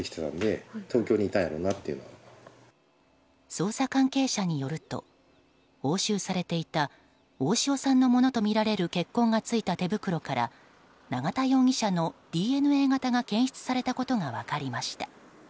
捜査関係者によると押収されていた大塩さんのものとみられる血痕の付いた手袋から永田容疑者のＤＮＡ型が検出されたことが分かりました。